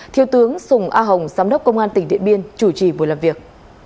thiếu tướng sùng a hồng giám đốc công an tỉnh điện biên chủ trì buổi làm việc